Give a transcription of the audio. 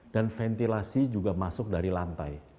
dan ventilasi juga masuk dari lantai